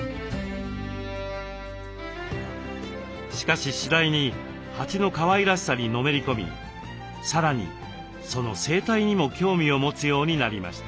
しかし次第に蜂のかわいらしさにのめり込みさらにその生態にも興味を持つようになりました。